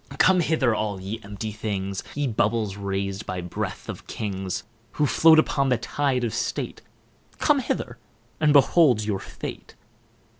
Come hither, all ye empty things, Ye bubbles rais'd by breath of Kings; Who float upon the tide of state, Come hither, and behold your fate.